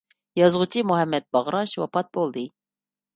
يازغۇچى مۇھەممەت باغراش ۋاپات بولدى.